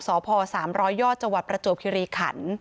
สพ๓๐๐ยจประโจภิริขัน